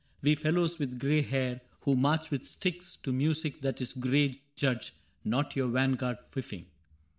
We fellows with gray hair Who march with sticks to music that is gray Judge not your vanguard fifing.